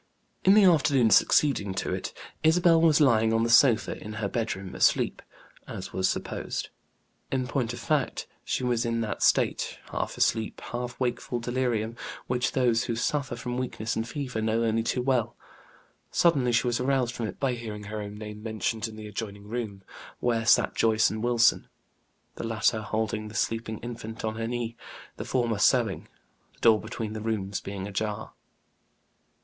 In the afternoon succeeding to it, Isabel was lying on the sofa in her bedroom, asleep, as was supposed. In point of fact, she was in that state, half asleep, half wakeful delirium, which those who suffer from weakness and fever know only too well. Suddenly she was aroused from it by hearing her own name mentioned in the adjoining room, where sat Joyce and Wilson, the latter holding the sleeping infant on her knee, the former sewing, the door between the rooms being ajar.